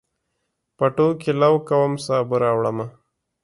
پټو کې لو کوم، سابه راوړمه